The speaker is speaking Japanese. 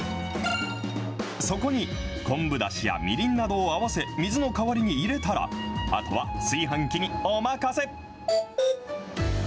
そこに、昆布だしやみりんなどを合わせ、水の代わりに入れたら、あとは炊飯器にお任せ。